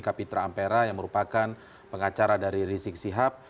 kapitra ampera yang merupakan pengacara dari rizik sihab